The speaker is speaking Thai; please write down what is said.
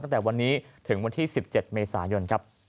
ตั้งแต่วันนี้ถึงวันที่๑๗เมษายนครับ